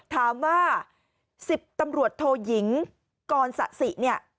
ถามว่า๑๐ตำรวจโทยิงกรสะสิเนี่ย